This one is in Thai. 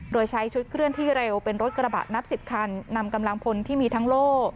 โดยใช้ชุดเคลื่อนที่เร็วเป็นรถกระบะนับ๑๐คันนำกำลังพลที่มีทั้งโล่